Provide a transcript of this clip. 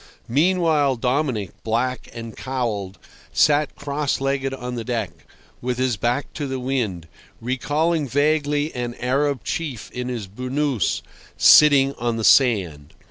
Meanwhile Dominic, black and cowled, sat cross legged on the deck, with his back to the wind, recalling vaguely an Arab chief in his burnuss sitting on the sand.